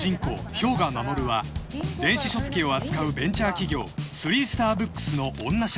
氷河衛は電子書籍を扱うベンチャー企業スリースターブックスの女社長］